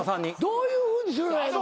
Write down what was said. どういうふうにすればええの？